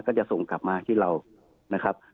ก็จะส่งกลับมาที่เรานะครับ